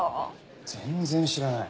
全然知らない。